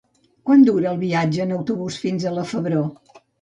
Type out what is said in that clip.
Quant dura el viatge en autobús fins a la Febró?